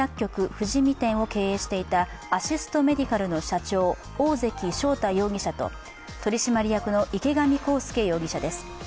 富士見店を経営していたＡｓｓｉｓｔ・Ｍｅｄｉｃａｌの社長、大関翔太容疑者と取締役の池上康祐容疑者です。